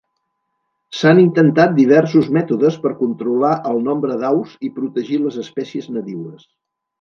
S'han intentat diversos mètodes per controlar el nombre d'aus i protegir les espècies nadiues.